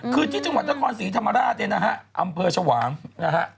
คือที่จังหวัดนครศรีธรรมราชเนี่ยนะฮะอำเภอชวางนะฮะ